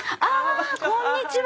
こんにちは！